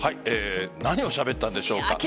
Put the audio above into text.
何をしゃべったんでしょうか。